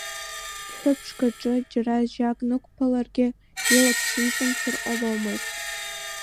Дәҳәыԥшк аҿы џьара жьак нықәԥаларгьы, илаԥш иҵамшәар ҟаломызт.